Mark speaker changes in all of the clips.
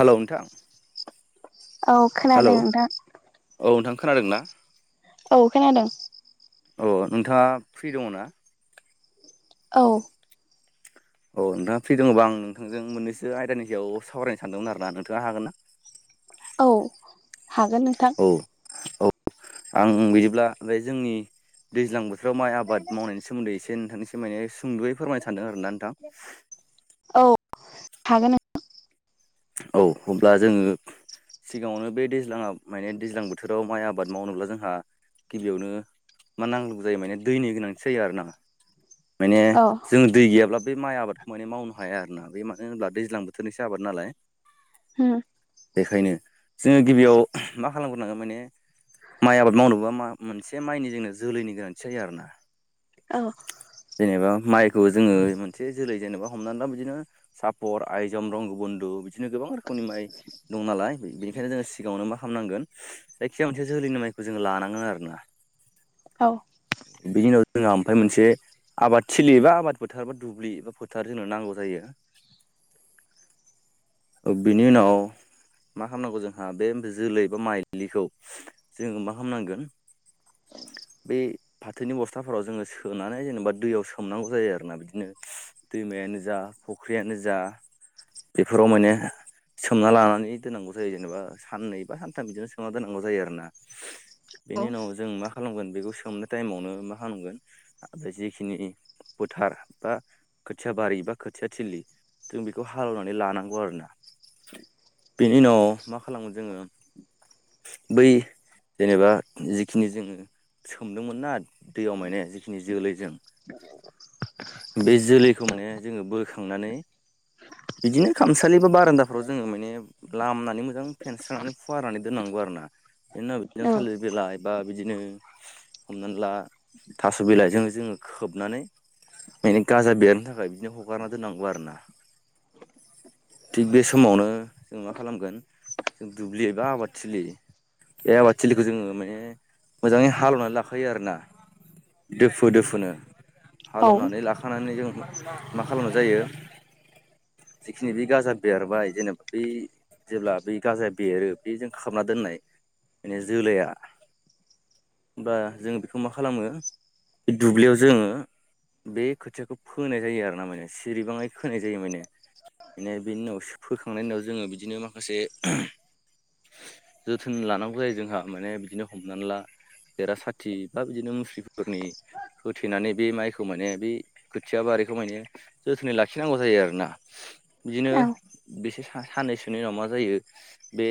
Speaker 1: हेल' नोंथां।
Speaker 2: औ खोनादों नोंथां।
Speaker 1: औ नोंथां खोनादों ना?
Speaker 2: औ खोनादों।
Speaker 1: अ नोंथाङा फ्रि दङ ना?
Speaker 2: औ।
Speaker 1: औ नोंथाङा फ्रि दङबा आं नोंथांजों मोननैसो आयदानि सायाव सावरायनो सानदोंमोन आर ना नोंथाङा हागोन ना?
Speaker 2: औ हागोन नोंथां।
Speaker 1: औ औ आं बिदिब्ला बे जोंनि दैज्लां बोथोराव माइ आबाद मावनायनि सोमोन्दै एसे नोंथांनिसिम माने सुंदुयै फोरमायनो सानदों आर ना नोंथां।
Speaker 2: औ हागोन
Speaker 1: औ होमब्ला जोङो सिगाङावनो बे दैज्लङा माने दैज्लां बोथोराव माइ आबाद मावनोब्ला जोंहा गिबियावनो मा नांगौ जायो माने दैनि गोनांथि जायो आरो ना। माने
Speaker 2: औ
Speaker 1: जों दै गैयाब्ला बे माइ आबादखौ माने मावनो हाया आरोना बे मानो होनब्ला दैज्लां बोथोरनिसो आबाद नालाय।
Speaker 2: उम्म।
Speaker 1: बेखायनो जोङो गिबियाव मा खालामग्रोनांगोन माने माइ आबाद मावनोबा मा मोनसे माइनि जोंनो जोलैनि गोनांथि जायो आरोना।
Speaker 2: औ।
Speaker 1: जेनेबा माइखौ जोङो मोनसे जोलै जेनेबा हमनानै दा बिदिनो सापर आइजम रंग बधु बिदिनो गोबां रोखोमनि माइ दं नालाय बेनिखायनो जोङो सिगाङावनो मा खालामनांगोन जायखिजाया मोनसे जोलैनिनो माइखौ जों लानांगोन आरोना।
Speaker 2: औ
Speaker 1: बिनि उनाव जोंहा ओमफ्राय मोनसे आबाद थिलि एबा आबाद फोथार बा दुब्लि एबा फोथार जोंनो नांगौ जायो। ओ बिनि उनाव मा खालामनांगौ जोंहा बे जोलै बा माइलिखौ जोङो मा खालामामनांगोन? बे फाथोनि बस्थाफोराव जोङो सोनानै जेनेबा दैयाव सोमनांगौ जायो आरोना बिदिनो। दैमायानो जा फुख्रियानो जा बेफोराव माने सोमना लानानै दोननांगौ जायो जेनेबा साननै बा सानथाम बिदिनो सोमना दोननांगौ जायो आरोना।
Speaker 2: औ
Speaker 1: बेनि उनाव जों मा खालामगोन बेखौ सोमनो टाइमावनो मा खालामगोन बे जिखिनि फोथार बा खोथिया बारि बा खोथिया थिलि जों बेखौ हालेवनानै लानांगौ आरोना।
Speaker 2: [inaudible]
Speaker 1: बेनि उनाव मा खालामगोन जोङो? बै जेनेबा जिखिनि जोङो सोमदोंमोनना दैयाव माने जिखिनि जोलैजों
Speaker 2: औ [unintelligible]
Speaker 1: बे जोलैखौ माने जोङो बोखांनानै बिदिनो खामसालि बा बारान्दाफ्राव जोङो माने लामनानै मोजां फेनस्रनानै फुवारनानै दोननांगौ आरो ना। बेनि उनाव बिदिनो
Speaker 2: औ
Speaker 1: थालिर बिलाइ बा बिदिनो हमनानै ला थास' बिलाइजों जोङो खोबनानै माने गाजा बेरनो थाखाय बिदिनो हगारना दोननांगौ आरो ना। थिग बे समावनो जों मा खालामगोन? जों दुब्लि बा आबाद थिलि बे आबादथिलिखौ जोङो माने मोजाङै हालेवनानै लाखायो आरो ना। दोफो दोफोनो,
Speaker 2: औ
Speaker 1: हालेवनानै लाखानानै जों मा खालामनाय जायो? जिखिनि बे गाजा बेरबाय जेनेबा बै जेब्ला बै गाजाया बेरो बेजों खाबना दोननाय माने जोलैया बा जों बेखौ मा खालामो बे दुब्लियाव जोङो बे खोथियाखौ फोनाय जायो आरो ना माने सिरिबाङै खोनाय जायो माने। माने बेनि उनाव फोखांनायनि उनाव जोङो बिदिनो माखासे जोथोन लानांगौ जायो जोंहा माने बिदिनो हमनानै ला बेरा साथि बा बिदिनो मुस्रिफोरनि होथेनानै बे माइखौ माने बे खोथिया बारिखौ माने जोथोनै लाखिनांगौ जायो आरोना। बिदिनो बेसे साननैसोनि उनाव मा जायो बे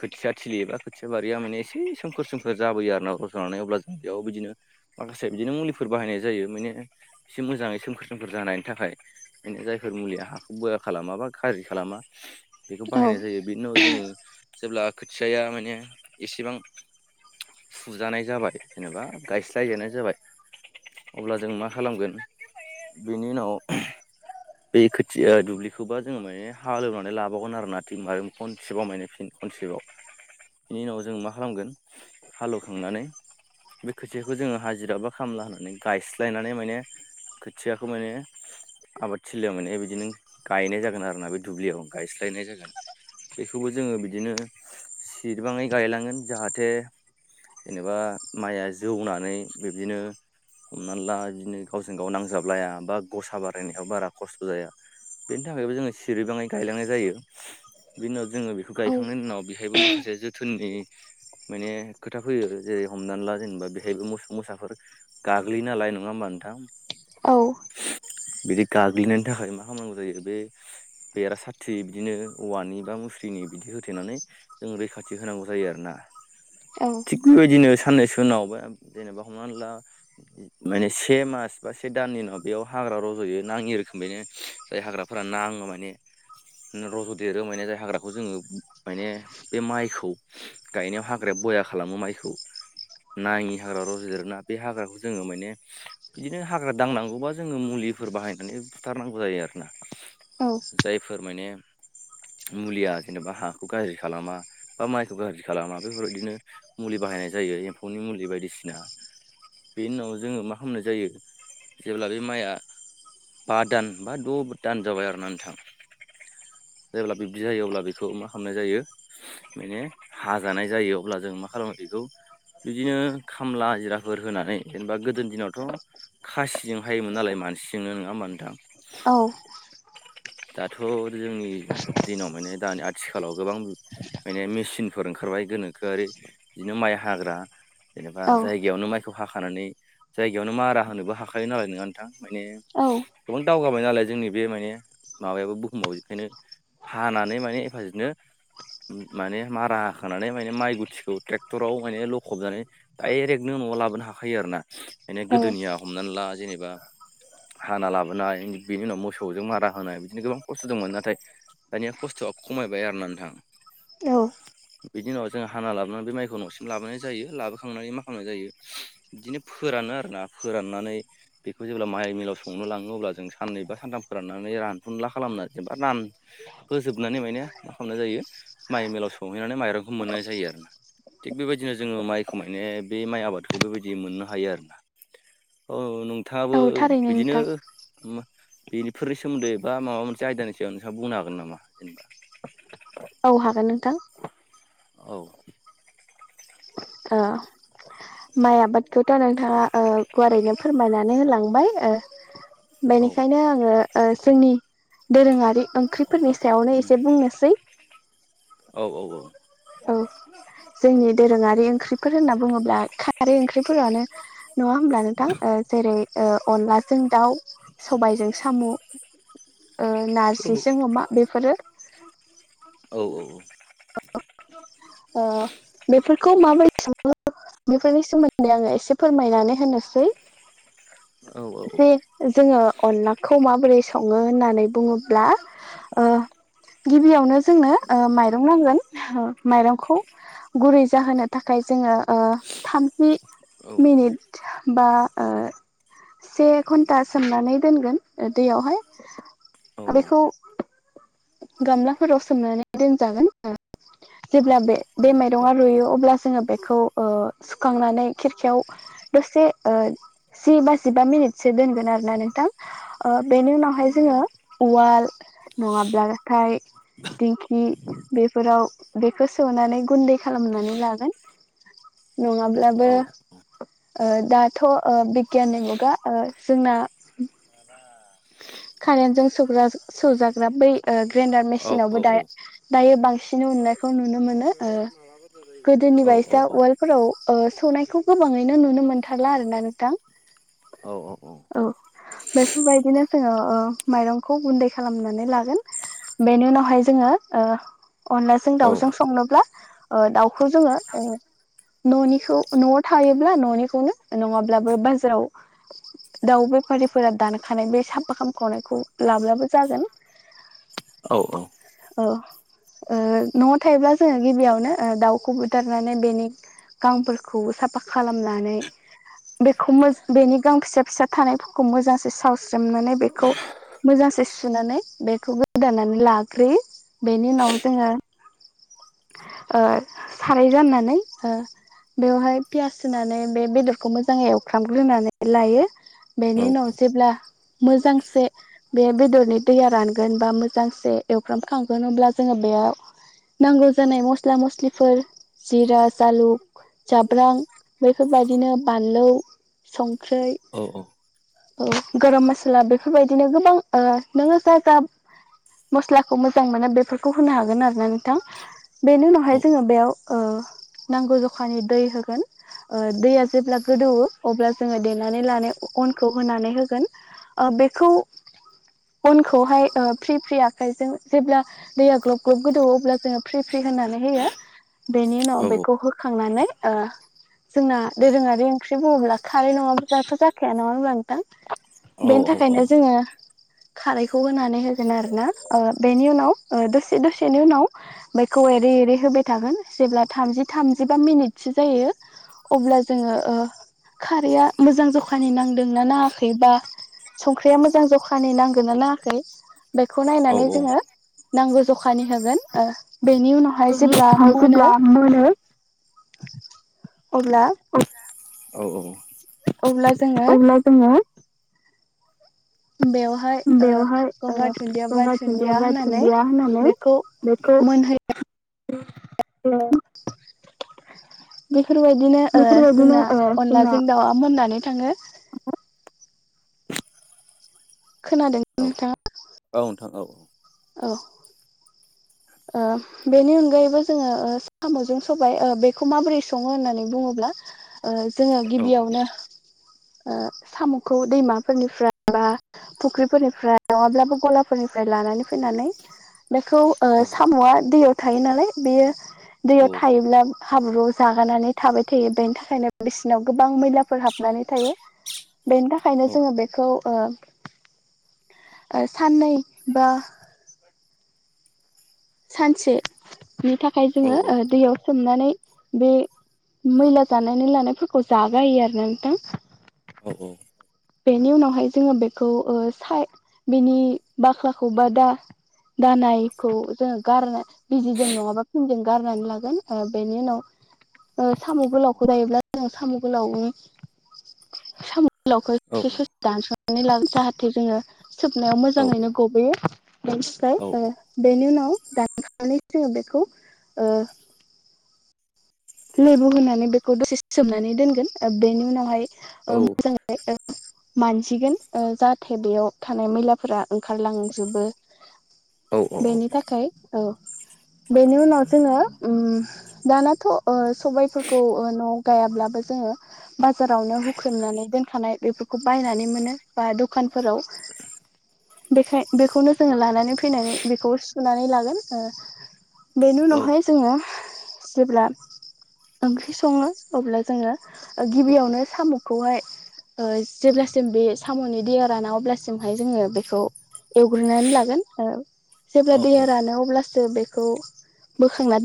Speaker 1: खोथिया थिलि एबा खोथिया बारिया माने एसे सोमखोर सोमखोर जाबोयो आरो ना रज' नानै अब्ला जों बेयाव बिदिनो माखासे बिदिनो मुलिफोर बाहायनाय जायो माने एसे मोजाङै सोमखोर सोमखोर जानायनि थाखाय बेनो जायफोर मुलिया हा बया खालामा बा गाज्रि खालामा बेखौ बाहायनाय जायो। बिनि उाव जोङो जेब्ला खोथियाया माने एसेबां फुजानाय जाबाय जेनेबा गायस्लायजानाय जाबाय अब्ला जों मा खालामगोन [inaudible] बेनि उनाव बे खो थिया दुब्लिखौबा जोङो माने हालेवनानै लाबावगोन आरो ना थिं मा खनसेबाव माने फिन खनसेबाव। बेनि उनाव जों मा खालामगोन? हालेव खांनानै बे खोथियाखौ जोङो हाजिरा बा खामला होननानै गायस्लायनानै माने खोथियाखौ माने आबादथिलियाव माने बिदि बिदिनो गायनाय जागोन आरो ना बे दुब्लियाव गायस्लायनाय जागोन। बेखौबो जोङो बिदिनो सिरबाङै गायलांगोन जाहाथे जेनेबा माइया जौनानै बिब्दिनो हमना ला बिदिनो गावजों गाव नांजाबलाया बा गसा बारायनायाव बारा खस्थ' जाया। बेनि थाखायबो जोङो सिरिबाङै गायलांनाय जायो बिनि उनाव जोङो बे खौ गायखांनायनि उनाव बेहायबो माखासे जोथोननि माने खोथा फैयो जेरै हमनानै ला जेनेबा बेहायबो मोसौ मोसाफोर गाग्लियो नालाय नङा होमबा नोंथां।
Speaker 2: औ
Speaker 1: [inaudible] बिदि गाग्लिनायनि थाखाय मा खालामनांगौ जायो बे बेरा सारथि बिदिनो औवानि बा मुस्रिनि बिदि होथेनानै जों रैखाथि होनांगौ जायो आरोना। थिग बेबायदिनो साननैसो उनाव बा जेनेबा हमना ला माने से मास बा से दाननि उनाव बेयाव हाग्रा रज'यो नाङि रोखोमैनो। जाय हाग्राफोरा नाङो माने रज'देरो माने जाय हाग्राखौ जोङो मायने बे माइखौ गायनायाव हाग्राया बया खालामो माइखौ। नाङि हाग्रा रज'देरो ना बे हाग्राखौ जोङो मायने बिदिनो हाग्रा दांनांगौबा जोङो मुलिफोर बाहायनानै बुथारनांगौ जायो आरो ना
Speaker 2: औ
Speaker 1: जायफोर मायने मुलिया जेनेबा हाखौ गाज्रि खालामा बा माइखौ गाज्रि खालामा बेफोरबायदिनो मुलि बाहायनाय जायो एम्फौनि मुलि बायदिसिना। बेनि उनाव जोङो मा खालामनाय जायो जेब्ला बे माइआ बादान बा द' दानजाबाय आरोना नोंथां जेब्ला बिब्दि जायो अब्ला बेखौ मा खालामनाय जायो मायने हाजानाय जायो अब्ला जों मा खालामो बेखौ बिदिनो खामला हाजिराफोर होनानै जेनेबा गोदोनि दिनावथ' खासिजों हायोमोन नालाय मानसिजोंनो नोङा होमबा नोंथां।
Speaker 2: औ
Speaker 1: दाथ' जोंनि दिनाव माने दानि आद थिखालाव गोबां माने मेसिनफोर ओंखारबाय गोनोखोयारि बिदिनो माइ हाग्रा। जेनेबा
Speaker 2: औ
Speaker 1: जायगायावनो माइखौ हाखानानै जायगायावनो मारा होनोबो हाखायोन नालाय नोङा नों थां माने गोबां दावगाबाय नालाय जोंनि बे माने माबायाबो बुहुमाव बेखायनो हानानै माने एफाजेनो माने मारा होखांनानै माने माइ गुथिखौ ट्रेक्टराव माने लखबनानै डाइरेक्टनो न'आव लाबोनो हाखायो आरो ना। माने गोदोनिया हमनानै ला जेनेबा हाना लाब ना बेनि उनाव मोसौजों मारा होनाय बिदिनो गोबां खस्थ' दंमोन नाथाय दानिया खस्थ'आ खमायबाय आरो ना नोंथां। बिनि उनाव जों हाना लाबोनानै बे माइखौ न'सिम लाबोनाय जायो लाबोखांनानै मा खालामनाय जायो बिदिनो फोरानो आरोना फोराननानै बेखौ जेब्ला माइ मिलाव सौनो लांङो ङो अब्ला जों साननै बा सानथाम फोराननानै रानफुनला खालामना जेनेबा रान होजोबनानै माने मा खालामनाय जायो माइ मिलाव सौहैनानै माइरंखौ मोननाय जायो आरो ना। थिग बेबायदिनो जोंङो माइखौ माने बे माइ आबादखौ बेबायदि मोननो हायो आरोना। अ
Speaker 2: औ
Speaker 1: नोंथांङाबो
Speaker 2: थारैनो
Speaker 1: बिदिनो
Speaker 2: नोंथां
Speaker 1: मो बेफोरनि सोमोन्दै बा माबा मोनसे आयदानि सायाव नोंसांङा बुंनो हागोन नामा जेनेबा
Speaker 2: औ हागोन नोंथां।
Speaker 1: औ
Speaker 2: ओ माइ आबादखौथ' नोंथाङा ओ गुवारैनो फोरमायनानै होलांबाय ओ। बेनिखायनो आङो ओ जोंनि दोरोङारि ओंख्रिफोरनि सायावनो एसे बुंनोसै।
Speaker 1: औ-औ-औ।
Speaker 2: औ जोंनि दोरोङारि ओंख्रिफोर होनना बुङोब्ला खारि ओंख्रिफोरानो नङा होमब्ला नोंथां ओ जेरै ओ अनलाजों दाउ सबायजों साम' नारजिजोंं अमा बेफोरो
Speaker 1: औ-औ-औ
Speaker 2: ओ बेफोरखौ माबोरै सोङो बेफोरनि सोमोन्दै आङो एसे फोरमायनानै होनोसै।
Speaker 1: औ औ
Speaker 2: जोंङो अनलाखौ माबोरै संङो होननानै बुंङोब्ला ओ गिबियावनो जोंनो ओ माइरं नांगोन। ओ माइरंखौ गुरै जाहोनो थाखाय जोंङो ओ थाम जि मिनिट बा ओ से घन्टा सोमनानै दोनगोन दैयावहाय बेखौ गामलाफोराव सोमनानै दोनजागोन। जेब्ला बे बै माइरंङा रुइयो अब्ला जोंङो बेखौ ओ सुखांनानै खिरखायाव दसे ओ जि बा जिबा मिनिटसो दोनगोन आरोना नोंथां ओ बेनि उनावहाय जोंङो उवाल नंङाब्लाथाय दिंखि फोराव बेखौ सोवनानै गुन्दै खालामनानै लागोन। नंङाब्लाबो ओ दाथ ओ बिगियाननि मुगा ओ जोंना कारेन्टजों स्रौग्रा सो सोजाग्रा बै ग्रेन्डार मेसिनावबो दा दायो बांसिन उननायखौ नुनो मोनो ओ गोदोनि बायसा उवालफोराव ओ सौनायखौ गोबांङैनो नुनो मोनथारला आरो ना नोंथां।
Speaker 1: [unintelligible] औ औ औ
Speaker 2: औ बेफोरबायदिनो जोंङो ओ माइरंखौ गुन्दै खालामनानै लागोन बेनि उनावहाय जोंङो ओ अनलाजों दाउजों संनोब्ला ओ दाउखौ जोंङो ओ ननिखौ नआव थायोब्ला ननिखौनो नंङाब्लाबो बाजाराव दाउ बेफारिफोरा दानखानाय बे साब फा खामखनायखौ लाब्लाबो जागोन।
Speaker 1: औ औ
Speaker 2: ओ ओ नआव थायोब्ला जोंङो गिबियावनो ओ दाउखौ बुथारनानै बेनि गांफोरखौ साफा खालामनानै बेखौ मोज बेनि गाव फिसा-फिसा थानायफोरखौ मोजांसे सावस्रोमनानै बेखौ मोजांसे सुनानै बेखौ गोदानानै लाग्रोयो। बेनि उनाव जोंङो ओ साराय जाननानैओ बेवहाय पियास होनानै बे बेदरखौ मोजांङै एवफ्रामग्रोनानै लायो। बेनि उनाव जेब्ला मोजांसे बे बेदरनि दैया रानगोन बा मोजांसे एवफ्रामखांगोन अब्ला जोंङो बेयाव नांगौ जानाय मस्ला मस्लिफोर जिरा जालुक जाब्रां बेफोरबायदिनो बानलु संख्रै
Speaker 1: औ-औ
Speaker 2: ओ गरम मसला बेफोरबायदिनो गोबां नोंङो जा जा मस्लाखौ मोजां मोनो बेफोरखौ होनो हागोन आरो ना नोंथां बेनि उनावहाय जोंङो बेयाव ओ‌ नांगौ जखानि दै होगोन ओ दैया जेब्ला गोदौवो अब्ला जोंङो देनानै लानाय अनखौ होनानै होगोन। ओ बेखौ अनखौहाय ओ फ्रि-फ्रि आखाइजों जेब्ला दैया ग्लब ग्लब गोदौ अब्ला जोंङो फ्रि फ्रि होनानै होयो बेनि उनाव बेखौ होखांनानै ओ जोंना दोरोंङारि ओंख्रि बुंङोब्ला खारै नंङाब्ला दाथ' जाखाया नंङा होनब्ला नोंथां? बेनि थाखायनो जोंङो खारैखौ होनानै होगोन आरो ना ओ बेनि उनाव दसे दसेनि उनाव बेखौ एरै-एरै होबाय थागोन जेब्ला थामजि थामजिबा मिनिटसो जायो अब्ला जोंङो ओ‌ खारैया मोजां जखानि नांदोंना नांङाखै बा संख्रिया मोजां जखानि नांगोना नांङाखै बेखौ नायनानै जोंङो नांगौ जखानि होगोन ओ बेनि उनावहाय जेब्ला
Speaker 1: हाय
Speaker 2: मोनो
Speaker 1: जेब्ला मोनो
Speaker 2: अब्ला
Speaker 1: औ औ
Speaker 2: अब्ला जोङो
Speaker 1: जोङ
Speaker 2: बेवहाय ओ
Speaker 1: बेवहाय ओ
Speaker 2: दुन्दिया बा
Speaker 1: गंगार दुन्दिया बा
Speaker 2: होनानै
Speaker 1: दुन्दिया होननानै
Speaker 2: बेखौ
Speaker 1: बेखौ
Speaker 2: मोनहै
Speaker 1: ओ
Speaker 2: बेफोरबायदिनो ओ
Speaker 1: बेफोरबायदिनो
Speaker 2: जोंना
Speaker 1: ओ जोंना
Speaker 2: अनलाजों दाउआ मोननानै थाङो खोनादों
Speaker 1: औ
Speaker 2: नोंथाङा
Speaker 1: औ नोंथां औ
Speaker 2: औ ओ बेनि अनगायैबो जोङो साम'जों सबाय बेखौ माबोरै सङो होननानै बुङोब्ला ओ जोङो गिबियावनो ओ साम'खौ दैमाफोरनिफ्राय बा फुख्रिफोरनिफ्राय नङाब्लाबो गलाफोरनिफ्राय लानानै फैनानै बेखौ ओ साम'आ दैयाव थायो नालाय बेयो दैयाव थायोब्ला हाब्रुआव जागानानै थाबाय थायो बेनि थाखायनो बिसिनाव गोबां मैलाफोर हाबनानै थायो बेनि थाखायनो जोङो बेखौ ओ साननै बा सानसेनि थाखाय जोङो ओ दैयाव सोमनानै बे मैला जानायनि लानायफोरखौ जागायो आरो ना नोंथां
Speaker 1: औ औ
Speaker 2: बेनि उनावहाय जोङो बेखौ ओ साय बिनि बाख्लाखौ बा दा दानायखौ जोङो गारनो बिजिजों नङाबा फिनजों गारनानै लागोन ओ बेनि उनाव ओ साम' गोलावखौ जायोब्ला जों साम' गोलाव नि साम' गोलावखौ ससे दानसनानानै ला जाहाथे जोङो सोबनायाव मोजाङैनो गबोयो बेनिफ्राय ओ बेनि उनाव दानखांनानै जोङो बेखौ लेबु होनानै बेखौ दसे सोमनानै दोनगोन बेनि उनावहाय ओ मोजां ए [unintelligible] [inaudible] मानजिगोन ओ जाहाथे बेयाव थानाय मैलाफोरा ओंखारलांजोबो बेनि थाखाय औ बेनि उनाव जोङो ओ दानाथ' ओ सबायफोरखौ ओ न'आव गायाब्लाबो जोङो बाजारावनो हुख्रेमनानै दोनखानाय बेफोरखौ बायनानै मोनो बा दखानफोराव
Speaker 1: [unintelligible]
Speaker 2: बेखाय बेखौनो जोङो लानानै फैनानै बेखौ सुनानै लागोन ओ। बेनि उनावहाय जोङो जेब्ला ओंख्रि सङो अब्ला जोङो गिबियावनो साम' बेखौहाय ओ जेब्लासिम बे साम'नि दैयाव राना अब्लासिमहाय जोङो बेखौ एवग्रोननानै लागोन ओ जेब्ला दैया रानो अब्लासो बेखौ बोखांना दोन